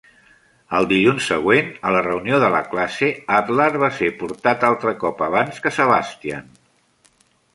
El dilluns següent a la reunió de la classe, Adler va se portat altre cop abans que Sebastian.